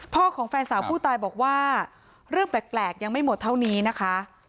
ของแฟนสาวผู้ตายบอกว่าเรื่องแปลกยังไม่หมดเท่านี้นะคะ